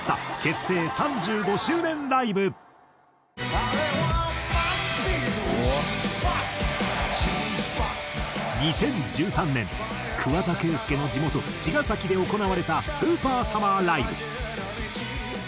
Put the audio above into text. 「あれはマンピーのＧスポット」「Ｇスポット」２０１３年桑田佳祐の地元茅ヶ崎で行われた「ＳＵＰＥＲＳＵＭＭＥＲＬＩＶＥ」。